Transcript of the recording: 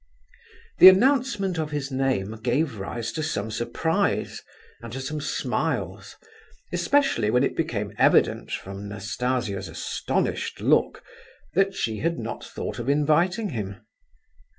The announcement of his name gave rise to some surprise and to some smiles, especially when it became evident, from Nastasia's astonished look, that she had not thought of inviting him.